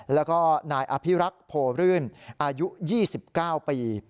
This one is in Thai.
แล้วก็นายอภิรักษ์โพรื่นอายุ๒๙ปี